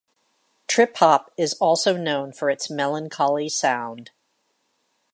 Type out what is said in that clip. Trip hop is also known for its melancholy sound.